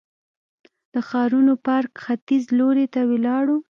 د ښارنو پارک ختیځ لوري ته ولاړو.